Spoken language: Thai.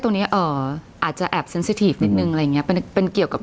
ตรงนี้เอ่ออาจจะแอบนิดหนึ่งอะไรอย่างเงี้ยเป็นเป็นเกี่ยวกับ